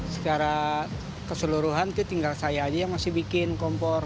secara keseluruhan itu tinggal saya aja yang masih bikin kompor